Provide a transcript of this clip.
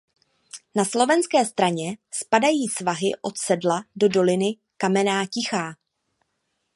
Na slovenské straně spadají svahy od sedla do doliny Kamenná Tichá.